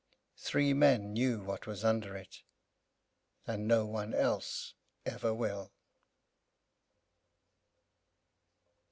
Three men knew what was under it; and no one else ever will.